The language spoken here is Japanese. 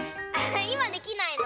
いまできないの？